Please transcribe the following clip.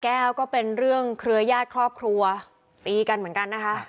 แก้วก็เป็นเรื่องเครือญาติครอบครัวตีกันเหมือนกันนะคะ